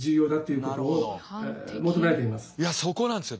いやそこなんですよ。